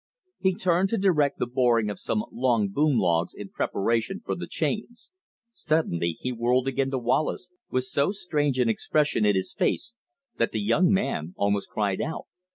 He turned to direct the boring of some long boom logs in preparation for the chains. Suddenly he whirled again to Wallace with so strange an expression in his face that the young man almost cried out.